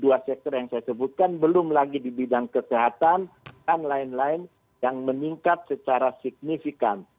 dua sektor yang saya sebutkan belum lagi di bidang kesehatan dan lain lain yang meningkat secara signifikan